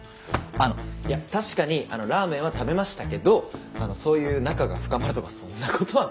あのいや確かにラーメンは食べましたけどそういう仲が深まるとかそんな事は別に。